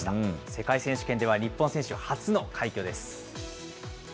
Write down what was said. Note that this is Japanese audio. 世界選手権では日本選手初の快挙です。